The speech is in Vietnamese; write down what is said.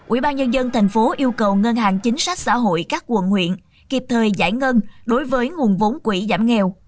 ủy ban nhân dân thành phố yêu cầu ngân hàng chính sách xã hội các quận huyện kịp thời giải ngân đối với nguồn vốn quỹ giảm nghèo